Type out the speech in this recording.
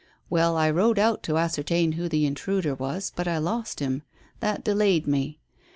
Well, I rode out to ascertain who the intruder was, but I lost him. That delayed me.